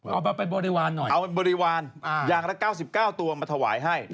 เอาไปบริวารหน่อยเอาไปบริวารอย่างละ๙๙ตัวมาถวายให้